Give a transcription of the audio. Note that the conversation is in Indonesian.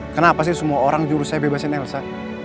kenapa sih semua orang jurus saya bebasin elsa